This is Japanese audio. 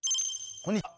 こんにちは。